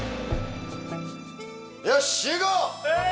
よし集合！